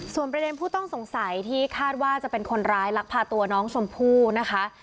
ส่วนประเด็นผู้ต้องสงสัยที่คาดว่าจะเป็นคนร้ายลักพาตัวน้องชมพู่นะคะ